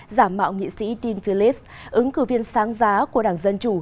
giả mạo nghị sĩ dean phillips ứng cử viên sáng giá của đảng dân chủ